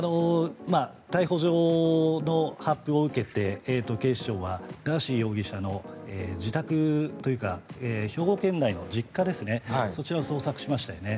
逮捕状の発布を受けて警視庁はガーシー容疑者の自宅というか兵庫県内の実家そちらを捜索しましたよね。